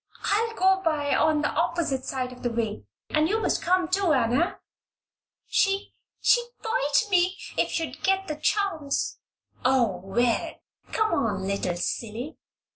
"I'll go by on the opposite side of the way. And you must come, too, Anna. She she'd bite me if she could get the chance." "Oh, well! Come on, little silly!"